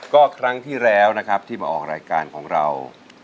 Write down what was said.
ก็ครั้งที่แล้วนะครับที่มาออกรายการของเรา